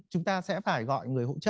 chúng ta sẽ phải gọi người hỗ trợ